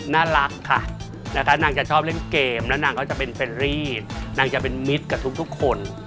น่ารักค่ะนะคะนางจะชอบเล่นเกมแล้วนางก็จะเป็นเฟรรี่นางจะเป็นมิตรกับทุกคน